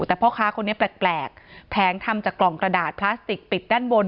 แต่เพราะค้าคนนี้แปลกแพงทำจากกล่องปราสติกปิดด้านบน